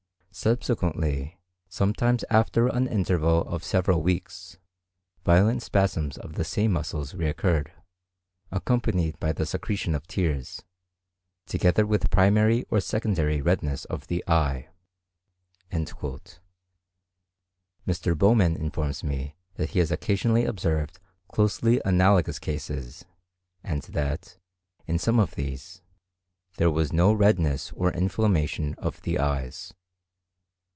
Subsequently, sometimes after an interval of several weeks, violent spasms of the same muscles re occurred, accompanied by the secretion of tears, together with primary or secondary redness of the eye." Mr. Bowman informs me that he has occasionally observed closely analogous cases, and that, in some of these, there was no redness or inflammation of the eyes.